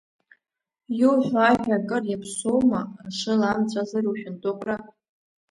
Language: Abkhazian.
Иуҳәо ажәа акыр иаԥсоума, ашыла амҵәазар ушәындыҟәра?